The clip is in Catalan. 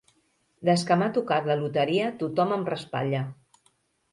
Des que m'ha tocat la loteria tothom em raspalla.